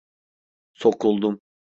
Sokuldum.